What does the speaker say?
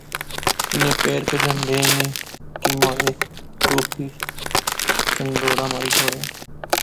انیں پیر کہہ جھنڈے میں کی مہاڑے روح کی چھنڈوڑا ماری شوڑیا